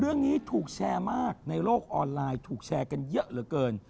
เรื่องนี้ถูกแชร์มากในโลกออนไลน์ถูกแชร์กันเยอะเหลือเกิน